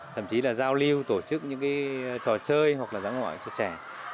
thậm chí là giao lưu tổ chức những trò chơi hoặc là giảng hỏi cho trẻ